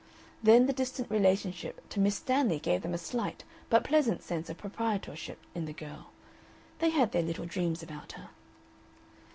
Then the distant relationship to Miss Stanley gave them a slight but pleasant sense of proprietorship in the girl. They had their little dreams about her.